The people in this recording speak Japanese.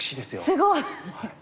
すごい！